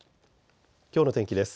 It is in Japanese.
きょうの天気です。